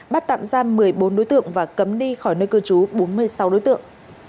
bắt tạm giam một mươi bốn đối tượng và cấm đi khỏi nơi cư trú bốn mươi sáu đối tượng